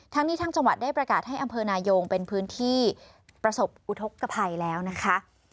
ทั้งนี้ทั้งจังหวัดได้ประกาศให้อำเภอนายงเป็นพื้นที่ประสบอุทธกภัยแล้วนะคะ